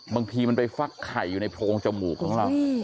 บางทีมันไปฟักไข่อยู่ในโพรงจมูกของเรา